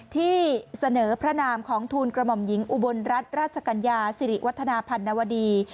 ที่เสนอพระนามของทูลกระหม่อมหญิงอุบลรัฐราชกัญญาสิริวัฒนาพันนวดี